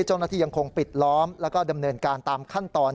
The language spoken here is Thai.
ยังคงปิดล้อมแล้วก็ดำเนินการตามขั้นตอน